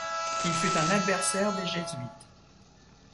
Il fut un adversaire des Jésuites.